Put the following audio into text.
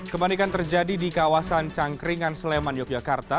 kepanikan terjadi di kawasan cangkringan sleman yogyakarta